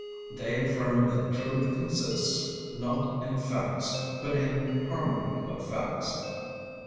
They affirm that truth consists, not in facts, but in harmony of facts.